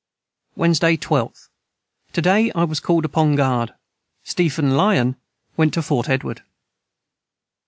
Wednesday 12th. To day I was cald upon guard. Stephen Lyon went to Fort Edward.